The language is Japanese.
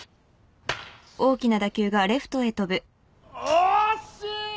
惜しい！